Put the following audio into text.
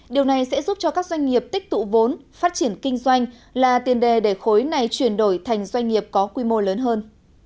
điều này sẽ giúp cho các doanh nghiệp tích tụ vốn phát triển kinh doanh là tiền đề để khối này chuyển đổi thành doanh nghiệp có quy mô lớn hơn